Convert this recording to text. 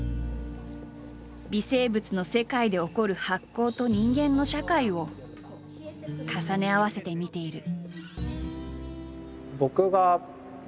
微生物の世界で起こる発酵と人間の社会を重ね合わせて見ている。